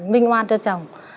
minh oan cho chồng